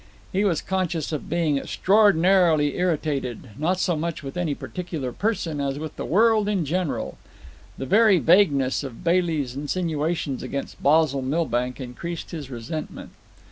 He was conscious of being extraordinarily irritated, not so much with any particular person as with the world in general. The very vagueness of Bailey's insinuations against Basil Milbank increased his resentment.